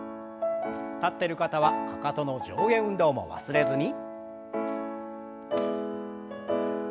立ってる方はかかとの上下運動も忘れずに。